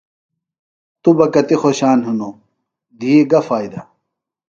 توۡ بہ کتیۡ خوشان ہِنوۡ۔ دھی گہ فائدہ ؟